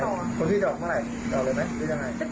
เอาเลยไงกันต่อ